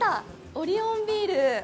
オリオンビール。